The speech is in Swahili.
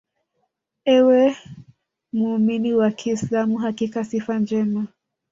Ewe muumini wa kiislam Hakika sifa njema